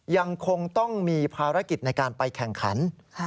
ยังคงต้องมีภารกิจในการไปแข่งขัน